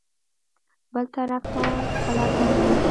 بل طرف ته کلاګانې.